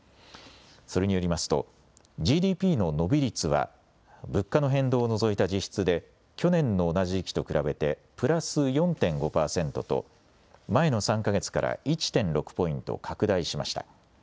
それによりますと、ＧＤＰの伸び率は物価の変動を除いた実質で去年の同じ時期と比べてプラス４．５％と、前の３か月から１．６ポイント拡大しました。